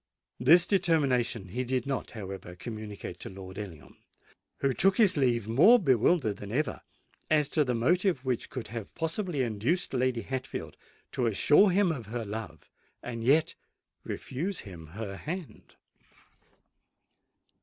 This determination he did not, however, communicate to Lord Ellingham, who took his leave more bewildered than ever as to the motive which could have possibly induced Lady Hatfield to assure him of her love and yet refuse him her hand.